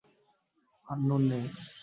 আর নুন নেই।